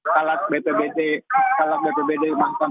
salah satu warga di kecamatan